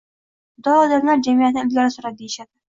Fidoyi odamlar jamiyatni ilgari suradi, deyishadi.